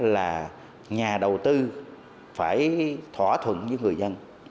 là nhà đầu tư phải thỏa thuận với người dân